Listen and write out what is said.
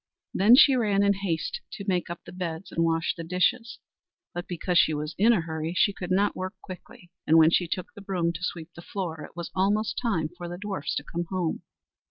Then she ran in haste to make up the beds, and wash the dishes; but because she was in a hurry she could not work quickly, and when she took the broom to sweep the floor it was almost time for the dwarfs to come home.